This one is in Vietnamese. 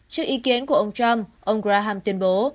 trước ý kiến của ông trump ông graham tuyên bố